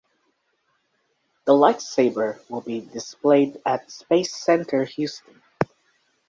The lightsaber will be displayed at Space Center Houston.